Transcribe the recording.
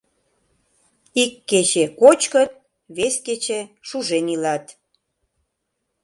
Ик кече кочкыт, вес кече шужен илат.